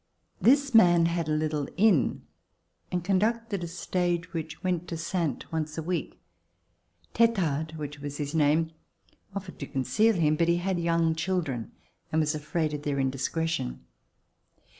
This man had a little inn and conducted a stage which went to Saintes once a week. Tetard, which was his name, offered to conceal him, but he had young children, and was afraid of their indiscretion.